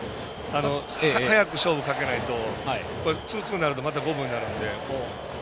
早く勝負をかけないとツーツーになると五分になるので。